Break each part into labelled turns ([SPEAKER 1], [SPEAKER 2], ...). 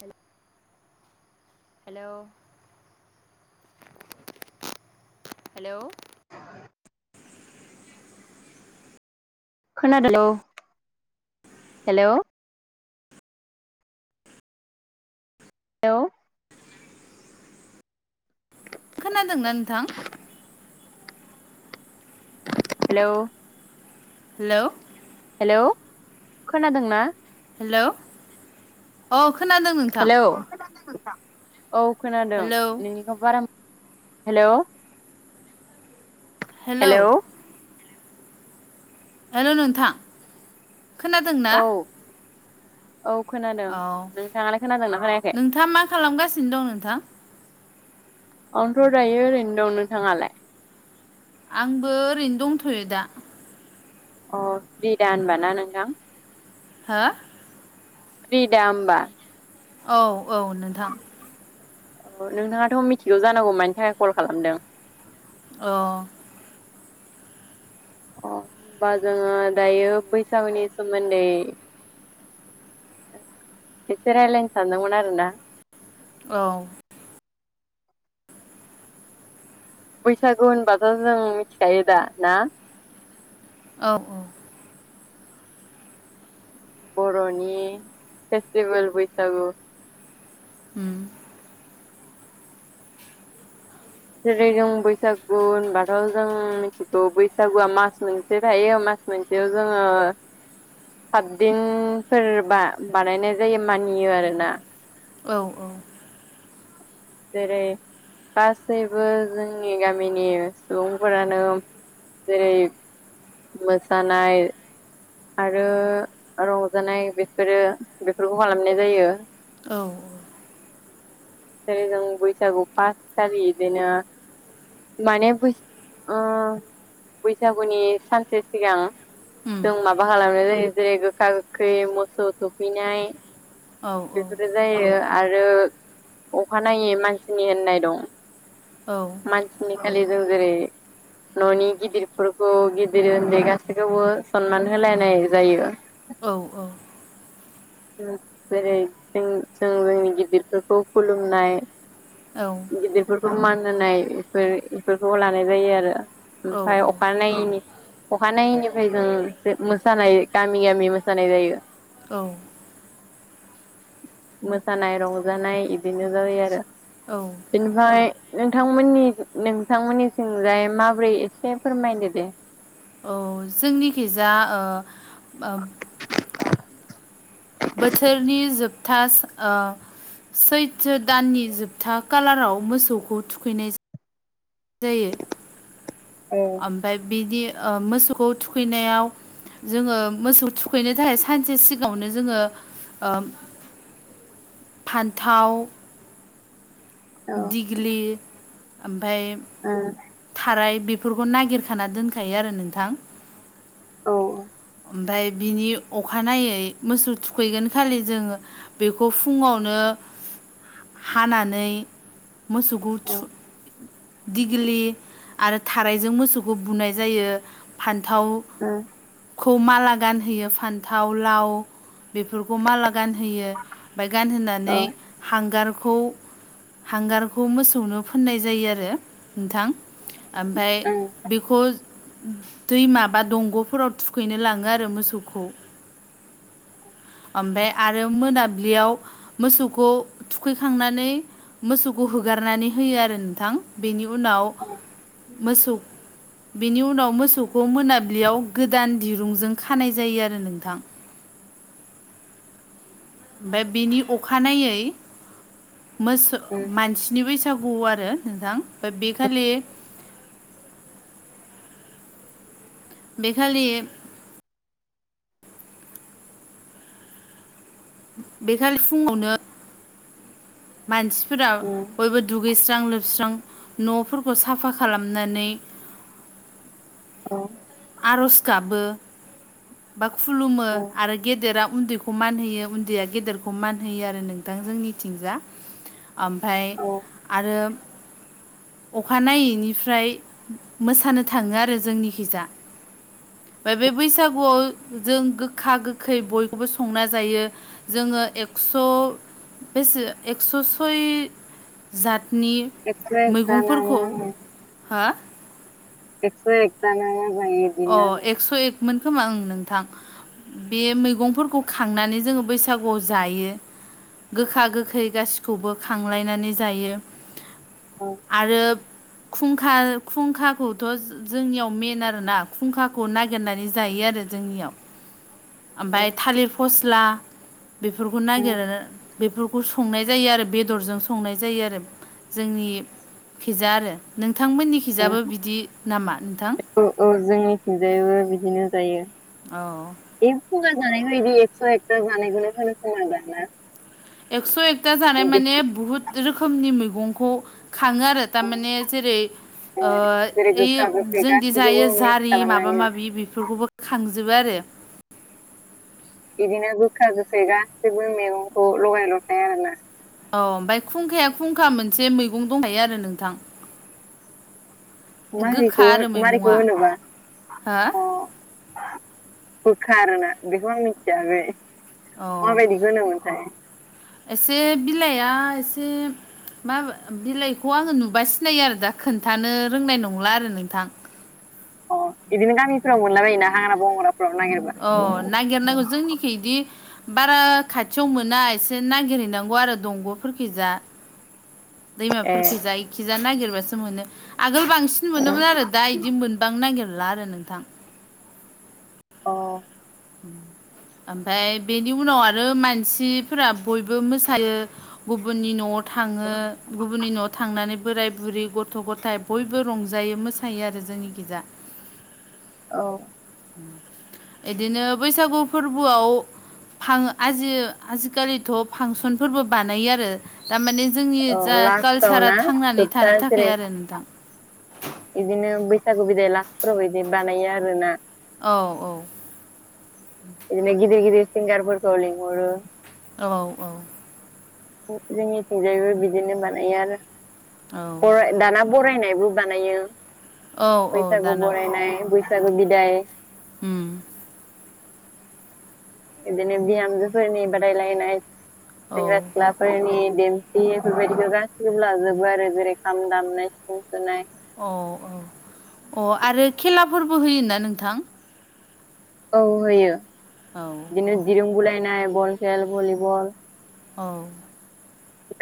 [SPEAKER 1] Hello hello खोनादों औ hello? Hello
[SPEAKER 2] खोनादों न नोंथां?
[SPEAKER 1] [inaudible] हेलौ
[SPEAKER 2] हेलौ
[SPEAKER 1] हेलौ खोनादोंना?
[SPEAKER 2] हेलौ अ खोनादों नोंथां
[SPEAKER 1] हेलौ औ खोनादों
[SPEAKER 2] हेलौ
[SPEAKER 1] नोंनिखौ बारा हेल'?
[SPEAKER 2] हेल' हेल' नोंथां खोनादों ना?
[SPEAKER 1] औ औ खोनादों।
[SPEAKER 2] औ
[SPEAKER 1] नोंथाङालाय खोनादोंना खोनायाखै?
[SPEAKER 2] नोंथाङा मा खालामगासिनो दं नोंथां?
[SPEAKER 1] आनोथ' दायो ओरैनो दं नोंथाङालाय?
[SPEAKER 2] आंबो ओरैनो दंथ'यो दा।
[SPEAKER 1] अ फ्रिदा होनबा ना नोंथां?
[SPEAKER 2] हो?
[SPEAKER 1] फ्रिदा होमबा?
[SPEAKER 2] औ औ नोंथां।
[SPEAKER 1] औ नोंथाङाथ' मिथिगौ जानांगौ मानि थाखाय कल खालामदों?
[SPEAKER 2] अ
[SPEAKER 1] अ होमबा जोङो दायो बैसागुनि सोमोन्दै एसे रायलायनो सानदों आरो ना?
[SPEAKER 2] औ
[SPEAKER 1] बैसागु होनबाथ' जों मिथिखायो दा ना?
[SPEAKER 2] औ औ
[SPEAKER 1] बर'नि फेस्टिभेल बैसागु।
[SPEAKER 2] उम।
[SPEAKER 1] जेरै जों बैसागु होनबाथ' जों मिथिगौ बैसागुआ मास मोनसे थायो मास मोनसेआव जों सतदिनफोरबा बानायनाय जायो मानियो आरोना?
[SPEAKER 2] औ औ।
[SPEAKER 1] जेरै गासैबो जोंनि गामिनि सुबुंफोरानो जेरै मोसानाय आरो रंजानाय बेफोरो बेफोरखौ खालामनाय जायो।
[SPEAKER 2] औ।
[SPEAKER 1] जेरै जों बैसागु फास खालि बिदिनो माने बै उम बैसागुनि सानसे सिगां
[SPEAKER 2] उम
[SPEAKER 1] जों माबा खालामनाय जायो जेरै गोखा गोखै मोसौ थुखौनाय।
[SPEAKER 2] औ औ
[SPEAKER 1] बेफोरो जायो आरो अखानायै मानसिनि होननाय दं।
[SPEAKER 2] औ।
[SPEAKER 1] मानसिनिखालि जों जेरै न'नि गिदिरफोरखौ गिदिर उन्दै गासैखौबो सनमान होलायनाय जायो।
[SPEAKER 2] औ औ।
[SPEAKER 1] उम जेरै जों जों जोंनि गिदिरफोरखौ खुलुमनाय
[SPEAKER 2] औ।
[SPEAKER 1] गिदिरफोरखौ मान होनाय एफोर एफोरखौ लानाय जायो आरो।
[SPEAKER 2] औ
[SPEAKER 1] ओमफफ्राय अखा नायैनि अखानायैनिफ्राय जों मोसानाय गामि गामि मोसानाय जायो।
[SPEAKER 2] औ।
[SPEAKER 1] मोसानाय, रंजानाय इबेनो जाबाय आरो।
[SPEAKER 2] औ।
[SPEAKER 1] बेनिफाय नोंथांमोननि नोंथांमोननिथिंजाय माबोरै एसे फोरमायदो दे।
[SPEAKER 2] औ जोंनिखिजा ओ बाम बोथोरनि जोबथास ओ सैटो दाननि जोबथा कालाराव मोसौखौ थुखैनाय जायो।
[SPEAKER 1] औ।
[SPEAKER 2] आमफाय बिदि ओ मोसौखौ थुखैनायाव जोङो मोसौ थुखैनो थाखाय सानसे सिगाङावनो जोङो उम फान्थाव
[SPEAKER 1] औ
[SPEAKER 2] दिग्लि ओमफाय
[SPEAKER 1] ओ
[SPEAKER 2] थाराय बिफोरखौ नागिरखाना दोनखायो आरो नोंथां।
[SPEAKER 1] औ औ।
[SPEAKER 2] ओमफ्राय बिनि अखानायै मोसौ थुखैगोन खालि जोङो बेखौ फुङावनो हा हानानै मोसौखौ
[SPEAKER 1] औ
[SPEAKER 2] थु दिग्लि आरो थारायजों मोसौखौ बुनाय जायो फान्थाव
[SPEAKER 1] ओ
[SPEAKER 2] खौ माला गानहोयो फान्थाव लाव बेफोरखौ माला गानहोयो ओमफाय
[SPEAKER 1] औ
[SPEAKER 2] गानहोनानै हांगारखौ हांगारखौ मोसौनो फोननाय जायो आरो। नोंथां आमफाय
[SPEAKER 1] ओं
[SPEAKER 2] बिखौ दैमा बा दंग'फोराव थुखैनो लाङो आरो मोसौखौ। ओम बे आरो मोनाब्लियाव मोसौखौ थुखैखांनानै मोसौखौ होगारनानै होयो आरो नोंथां बेनि उनाव मोसौ बेनि उनाव मोसौखौ मोनाबिलियाव गोदान दिरुंजों खानाय जायो आरो नोंथां। ओमफाय बिनि अखानायै
[SPEAKER 1] ओं
[SPEAKER 2] मोस-मानसि नि बैसागु आरो नोंथां बा बे खालि बे खालि बेखालि फुङावनो मानसिफोरा बयबो दुगैस्रां लोबस्रां न'फोरखौ साफा खालामनानै
[SPEAKER 1] औ।
[SPEAKER 2] आर'ज गाबो बा खुलुमो
[SPEAKER 1] औ
[SPEAKER 2] आरो गेदेरा उन्दैखौ खौ मान होयो उन्दैया गेदेरखौ मान होयो आरो नोंथां जोंनिथिंजा आमफाय
[SPEAKER 1] औ
[SPEAKER 2] आरो अखानायैनिफ्राय मोसानो थाङो आरो जोंनिखिजा। फाय बे बैसागुआव जों गोखा गोखै बयखौबो संना जायो जोङो ए स' बेसे एक्स' सय जातनि
[SPEAKER 1] एख्स एक था [unintelligible]
[SPEAKER 2] हा?
[SPEAKER 1] एक्स' एकथा [unintelligible]
[SPEAKER 2] अ एक्स' एकमोन खोमा ओं नोंथां। बे मैगंफोरखौ खांनानै जोङो बैसागुआव जायो। गोखा गोखै गासिखौबो खांलायनानै जायो
[SPEAKER 1] औ
[SPEAKER 2] आरो खुंखा खुंखाखौथ' जोंनियाव मेन आरोना। खुंखाखौ नागिरनानै जायो आरो जोंनियाव
[SPEAKER 1] औ
[SPEAKER 2] ओमफाय थालिर फस्ला बेफोरखौ
[SPEAKER 1] ओं
[SPEAKER 2] नागिरो बेफोरखौ संनाय जायो आरो बेदरजों संनाय जायो आरो जोंनि खिजा आरो
[SPEAKER 1] ओं
[SPEAKER 2] नोंथांमोननिखिजाबो बिदि नामा नोंथां?
[SPEAKER 1] औ औ जोंनिथिंजायबो बिदिनो जायो।
[SPEAKER 2] औ
[SPEAKER 1] ए फगा जानायखौदि एकस' एकथ' जानायखौनो होनो खोमा दां ना?
[SPEAKER 2] एकस' एकथा जानाय माने बुहुद रोखोमनि मैगंखौ खाङो आरो थारमाने जेरै ओ
[SPEAKER 1] जेरै
[SPEAKER 2] ऐ
[SPEAKER 1] गोखा गोखै
[SPEAKER 2] जोंदि जायो
[SPEAKER 1] गासैखौबो मिक्स
[SPEAKER 2] जारि माबा
[SPEAKER 1] खालामनानै
[SPEAKER 2] माबि बेफोरखौबो खांजोबो आरो।
[SPEAKER 1] बिदिनो गोखा गोखै गासैबो मैगंखौ लगाय ल'थाय आरोना।
[SPEAKER 2] औ ओमफ्राय खुंखाया खुंखा मोनसे मैगं दंखायो आरो नोंथां। गोखा आरो मैगङा हो
[SPEAKER 1] [unintelligible] गोखा आरोना बेखौ आं मिथिया बे
[SPEAKER 2] औ
[SPEAKER 1] माबायदिखौ होनोमोनथाय
[SPEAKER 2] एसे बिलाइआ एसे मा बिलाइखौ आङो नुबा सिनायो आरो दा खोन्थानो रोंनाय नंला आरो नोंथां।
[SPEAKER 1] अ बिदिनो गामिफ्राव मोनला बायोना हाग्रा बंग्राफ्राव नागिर
[SPEAKER 2] ओ नागिरनांगौ जोंनिखि इदि बारा खाथियाव मोना एसे नागिरहैनांगौ आरो दंग'फोरखिजा।
[SPEAKER 1] ए
[SPEAKER 2] दैमाफोरखिजा इखिजा नागिरबासो मोनो आगोल बांसिन
[SPEAKER 1] अ
[SPEAKER 2] मोनोमोन आरो दा बिदि मोन गोबां नागिरला आरो नोंथां।
[SPEAKER 1] अ।
[SPEAKER 2] [inaudible] ओमफ्राय बेनि उनाव आरो मानसिफोरा बयबो मोसायो गुबुननि न' थाङो गुबुननि न'आव थांनानै बोराय बुरि गथ' गथाइ बयबो रंजायो मोसायो आरो जोंनिखिजा
[SPEAKER 1] औ।
[SPEAKER 2] ए बिदिनो बैसागु फोरबोआव फां आजि आजिखालिथ' फांसनफोरबो बानायो आरो दामाने जोंनि
[SPEAKER 1] औ
[SPEAKER 2] जा
[SPEAKER 1] लास्टाव
[SPEAKER 2] कालसारा
[SPEAKER 1] ना
[SPEAKER 2] थांनानै
[SPEAKER 1] जोबथा
[SPEAKER 2] थानो थाखाय
[SPEAKER 1] जेरै
[SPEAKER 2] आरो नोंथां।
[SPEAKER 1] बिदिनो बैसागु बिदाय लास्फोराव बिदि बानायो आरोना।
[SPEAKER 2] औ औ।
[SPEAKER 1] बिदिनोे गिदिर गिदिर सिंगारफोरखौ लिंहरो।
[SPEAKER 2] औ औ।
[SPEAKER 1] जोंनिथिंजायबो बिदिनो बानायो आरो
[SPEAKER 2] औ
[SPEAKER 1] बराय दाना बरायनायबो बानायो
[SPEAKER 2] औ औ
[SPEAKER 1] बैसागु
[SPEAKER 2] दाना
[SPEAKER 1] बरायनाय बैसागु बिदाय
[SPEAKER 2] उम।
[SPEAKER 1] बिदिनो बिहामजोफोरनि बादायलायनाय
[SPEAKER 2] औ
[SPEAKER 1] सेंग्रा सिख्ला फोरनि देमसि बेफोरबायदिखौ गासिखौबो लाजोबो आरो जेरै खाम दामनाय सिफुं सुनाय
[SPEAKER 2] अ औ अ आरो खेलाफोरबो होयो ना नोंथां?
[SPEAKER 1] औ होयो
[SPEAKER 2] औ
[SPEAKER 1] बिदिनो दिरुं बुलायनाय बल खेल भलिबल
[SPEAKER 2] औ।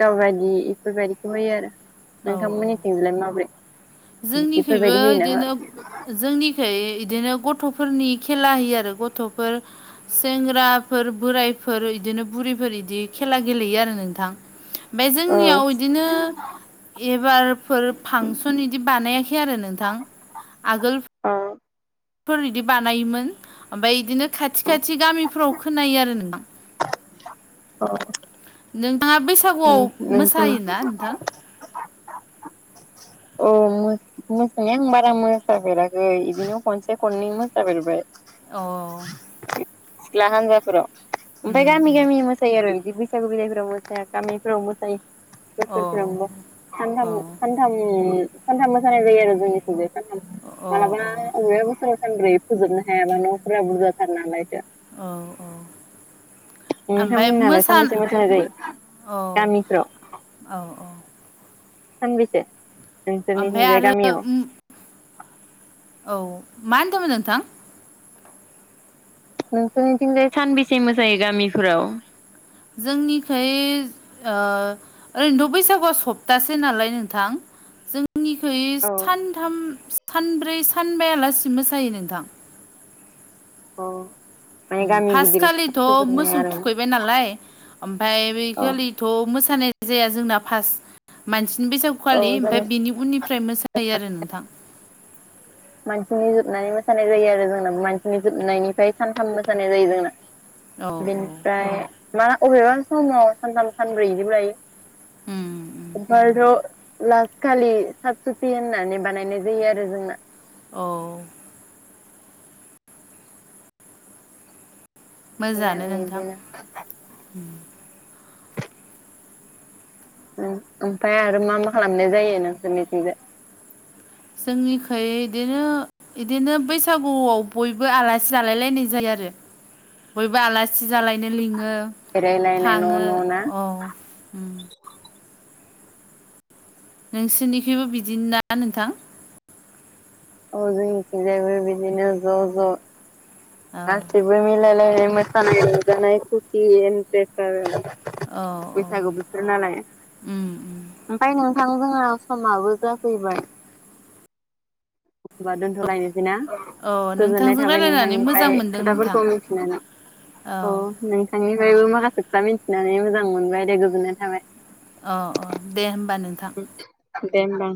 [SPEAKER 1] काबादि इफोरबायदिखौ होयो आरो।
[SPEAKER 2] औ औ
[SPEAKER 1] नोंथांमोननिथिंलाय माबायदि बेफोरबायदि
[SPEAKER 2] जोंनिखैबो
[SPEAKER 1] होयो ना
[SPEAKER 2] इदिनो
[SPEAKER 1] होआ?
[SPEAKER 2] जोंनिखै इदिनो गथ'फोरनि खेला होयो आरो गथ'फोर सेंग्राफोर बोरायफोर इदिनो बुरिफोर इदि खेला गेलेयो आरो नोंथां।
[SPEAKER 1] [inaudible]
[SPEAKER 2] बे जोंनियाव इदिनो एबारफोर फांसन इदि बानायाखै आरो नोंथां आगोल
[SPEAKER 1] अ
[SPEAKER 2] फोर इदि बानायोमोन ओमफाय इदिनो खाथि खाथि गामिफोराव खोनायो आरो [unintelligible]
[SPEAKER 1] औ
[SPEAKER 2] नोंथाङा बैसागुआव मोसायोना नोंथां?
[SPEAKER 1] औ मो मोसानाया आं बारा मोसाफेराखै बिदिनो खनसे खननै मोसाफेरबाय।
[SPEAKER 2] औ।
[SPEAKER 1] सिख्ला हान्जाफोराव
[SPEAKER 2] उम
[SPEAKER 1] ओमफ्राय गामि
[SPEAKER 2] उम
[SPEAKER 1] गामि मोसायो आरो बिदि बैस बैसागु बिदायफोराव मोसाया गामिफोराव मोसायो
[SPEAKER 2] अ
[SPEAKER 1] बोसोरफ्रोमबो
[SPEAKER 2] औ
[SPEAKER 1] सानथाम थाम
[SPEAKER 2] अ
[SPEAKER 1] सानथाम मोसानाय जायो आरो जोंनिखैबो सानथाम मालाबा
[SPEAKER 2] अ
[SPEAKER 1] अबेबा बोसोराव सानब्रै फोजोबनो हायाबा न'फोरा बुरजाथार नालाय
[SPEAKER 2] औ औ आमफाय
[SPEAKER 1] नोंथांमोनहालाय
[SPEAKER 2] मोसा
[SPEAKER 1] सानबेसे मोसानाय जायो
[SPEAKER 2] औ
[SPEAKER 1] गामिफ्राव
[SPEAKER 2] औ औ
[SPEAKER 1] सानबेसे
[SPEAKER 2] ओमफ्राय
[SPEAKER 1] नोंसोरनिथिंजाय
[SPEAKER 2] आरो
[SPEAKER 1] गामियाव?
[SPEAKER 2] [inaudible] औ मा होनदोंमोन नोंथां?
[SPEAKER 1] नोंसोरनिथिंजाय सानबेसे मोसायो गामिफोराव?
[SPEAKER 2] जोंनिखै ओ ओरैनोथ' बैसागुआ सप्तासे नालाय नोंथां। जोंनिखै
[SPEAKER 1] औ
[SPEAKER 2] सानथाम सानब्रै सानबायालासि मोसायो नोंथां।
[SPEAKER 1] अ
[SPEAKER 2] उम फार्स्ट खालिथ' मोसौ
[SPEAKER 1] हाया आरो
[SPEAKER 2] थुखैबाय नालाय ओमफाय बै
[SPEAKER 1] औ
[SPEAKER 2] खालि थ' मोसानाय जाया जोंना फास्ट मानसिनि बैसागु खालि
[SPEAKER 1] औ जों
[SPEAKER 2] ओमफाय बिनि उननिफ्राय मोसायो आरो नोंथां
[SPEAKER 1] मानसिनि जोबनानै मोसानाय जायो आरो जोंना मानसिनि जोबनायनिफ्राय सानथाम मोसानाय जायो जोंना।
[SPEAKER 2] औ औ
[SPEAKER 1] बिनिफ्राय मा अबेबा समाव सानथाम सानब्रै इदिबो लायो।
[SPEAKER 2] उम उम
[SPEAKER 1] [unintelligible] लास्ट खालि साब सुथि होननानै बानायनाय जायो आरो जोंना।
[SPEAKER 2] औ
[SPEAKER 1] गामि
[SPEAKER 2] मोजाङानो
[SPEAKER 1] गामि
[SPEAKER 2] नोंथां।
[SPEAKER 1] बिदिनो। उम ओमफाय आरो मा मा खालामनाय जायो नोंसोरनिथिंजाय?
[SPEAKER 2] जोंनिखै इदिनो इदिनो बैसागुआव बयबो आलासि जालायलायनाय जायो आरो बयबो आला सि जालायनो लिङो
[SPEAKER 1] बेरायलायनाय न'
[SPEAKER 2] थाङो
[SPEAKER 1] न' ना?
[SPEAKER 2] अ उम नोंसोरनिखैबो बिदिनोना नोंथां?
[SPEAKER 1] औ जोंनिथिंजायबो बिदिनो ज'
[SPEAKER 2] औ
[SPEAKER 1] ज' गासै [unintelligible] मिलायलायनाय मोसानाय रंजानाय खुसि एन्टारेस्त आरो ना
[SPEAKER 2] औ औ
[SPEAKER 1] बैसागु बोथोर नालाय।
[SPEAKER 2] उम उम
[SPEAKER 1] ओमफाय नोंथां जोंहा समाबो जाफैबाय‌ होनबा दोनथ'लायनोसैना
[SPEAKER 2] औ
[SPEAKER 1] गोजोननाय
[SPEAKER 2] नोंथांजों
[SPEAKER 1] थाबाय
[SPEAKER 2] रायलायनानै मोजां
[SPEAKER 1] नोंथांनिफ्राय
[SPEAKER 2] मोनदों नोंथां
[SPEAKER 1] खोथाफोरखौ मिथिनानै।
[SPEAKER 2] औ
[SPEAKER 1] अ' नोंथांनिफ्रायबो माखासे खोथा मिथिनानै मोजां मोनबाय दे गोजोननाय थाबाय।
[SPEAKER 2] अ' अ' दे होमबा नोंथां।
[SPEAKER 1] दे होमबा